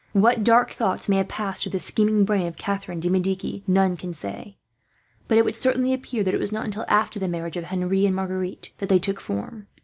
What dark thoughts may have passed through the scheming brain of Catharine de Medici none can say, but it would certainly appear that it was not until after the marriage of Henri and Marguerite that they took form.